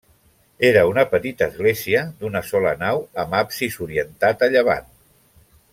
Era una petita església d'una sola nau amb absis orientat a llevant.